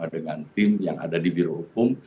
dengan tim yang ada di biro hukum